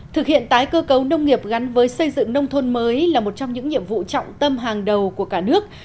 thực hiện tái cơ cấu nông nghiệp gắn với xây dựng nông thôn mới là một trong những nhiệm vụ trọng tâm hàng đầu của cả nước